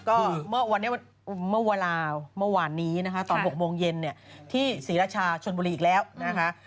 ก็เมื่อวานนี้ตอน๖โมงเย็นที่ศรีรชาชนบุรีอีกแล้วนะคะ